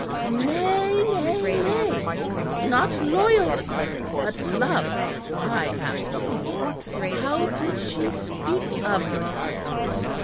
"Nay, nay, nay, not loyalty but love I asked you of. How did she speak of me?"